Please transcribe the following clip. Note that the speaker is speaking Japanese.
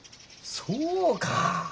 そうか。